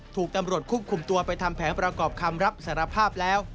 ถูกตำรวจควบคุมตัวไปทำแผนประกอบคำรับสารภาพแล้ว